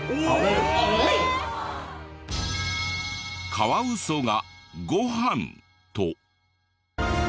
カワウソが「ごはん」と。